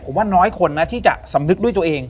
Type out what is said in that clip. ผมว่าน้อยคนนะที่จะสำนึกด้วยตัวเอง